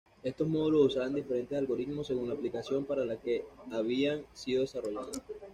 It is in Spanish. Estos módulos usaban diferentes algoritmos según la aplicación para la que habían sido desarrolladas.